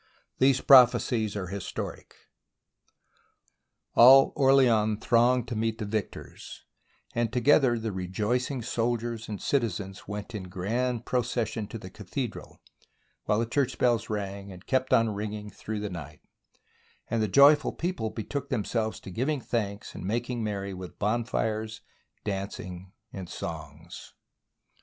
These prophecies are historic. All Orleans thronged to meet the victors, and together the rejoicing soldiers and citizens went in grand procession to the Cathedral, while the church bells rang, and kept on ringing through the night, and the joyful people betook themselves to giving thanks and making merry with bonfires, dancing, and songs.